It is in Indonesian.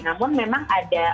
namun memang ada